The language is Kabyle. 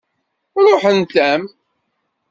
Ṛuḥent-am.